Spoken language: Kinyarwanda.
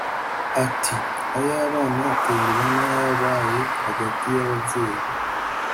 Ati “Ay’abana aterwa n’ayabaye hagati y’ababyeyi